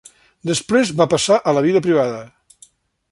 Després va passar a la vida privada.